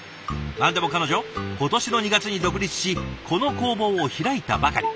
何でも彼女今年の２月に独立しこの工房を開いたばかり。